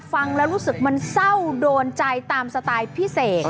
ฟังแล้วรู้สึกมันเศร้าโดนใจตามสไตล์พิเศษ